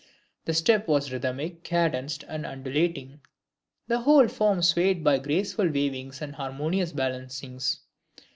The step was rhythmic, cadenced, and undulating; the whole form swayed by graceful wavings and harmonious balancings.